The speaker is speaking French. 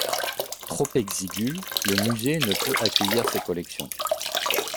Trop exigüs, le musée ne peut accueillir ces collections.